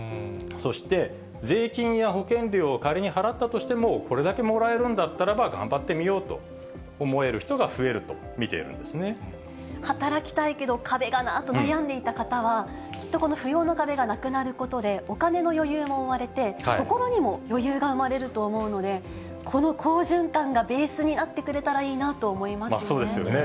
そして、税金や保険料を仮に払ったとしても、これだけもらえるんだったら頑張ってみようと思える人が増えると働きたいけど壁がな、と悩んでいた人は、きっとこの扶養の壁がなくなることで、お金の余裕も生まれて、心にも余裕が生まれると思うので、この好循環がベースになってくれそうですよね。